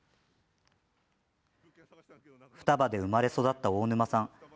双葉で生まれ育った大沼さん